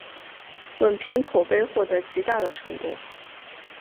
本片口碑获得极大的成功。